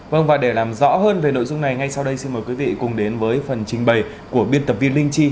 vâng và để làm rõ hơn về nội dung này ngay sau đây xin mời quý vị cùng đến với phần trình bày của biên tập viên linh chi